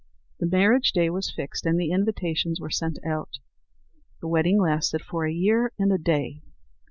The marriage day was fixed, and the invitations were sent out. The wedding lasted for a year and a day.